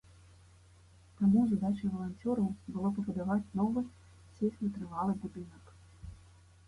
Таму задачай валанцёраў было пабудаваць новы сейсматрывалы будынак.